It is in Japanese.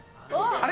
あれ？